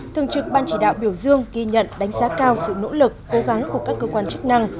thường trực ban chỉ đạo biểu dương ghi nhận đánh giá cao sự nỗ lực cố gắng của các cơ quan chức năng